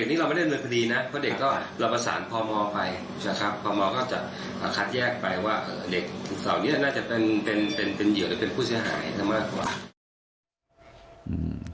บอกว่าเด็กที่เสด็จทางนี้น่าจะเป็นผู้ชาหายกว่า